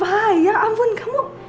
papa ya ampun kamu